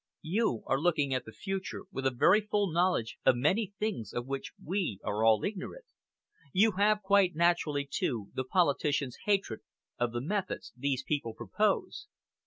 You are looking at the future with a very full knowledge of many things of which we are all ignorant. You have, quite naturally, too, the politician's hatred of the methods these people propose.